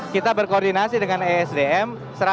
kita berkoordinasi dengan esdm